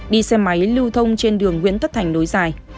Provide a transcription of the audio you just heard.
đi xe máy lưu thông trên đường nguyễn tất thành nối dài